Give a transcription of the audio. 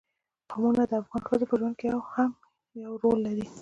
قومونه د افغان ښځو په ژوند کې هم یو رول لري.